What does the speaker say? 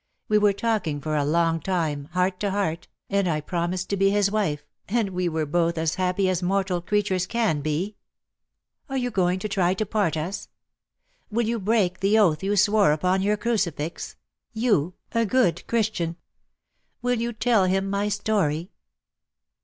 We were talk ing for a long time, heart to heart, and I promised to be his wife, and we were both as happy as mortal creatures can be. Are you going to try to part us? Will you break the oath you swore upon your crucifix — you, a good Christian? Will you tell him my story?"